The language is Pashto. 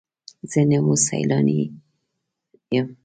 زه نو اوس سیلانی یم.